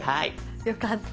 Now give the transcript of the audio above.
よかった。